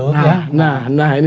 kode lagi ini